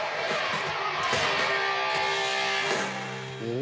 お！